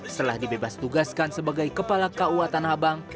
setelah dibebas tugaskan sebagai kepala kauatan habang